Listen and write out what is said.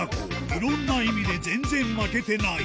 いろんな意味で全然負けてない